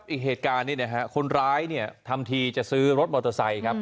อีกเหตุการณ์คนร้ายทำทีจะซื้อรถมอเตอร์ไซค์